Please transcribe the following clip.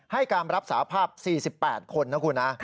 ให้การรับสาภาพ๔๘คนนะคุณนะ